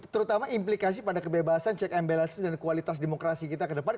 terutama implikasi pada kebebasan check and balance dan kualitas demokrasi kita ke depan